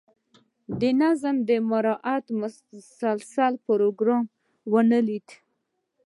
د نظم د مراعات مسلسل پروګرام ونه لیدل.